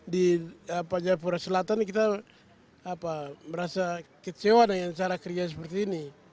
di jayapura selatan kita merasa kecewa dengan cara kerja seperti ini